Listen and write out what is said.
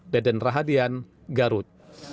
deden rahadian garut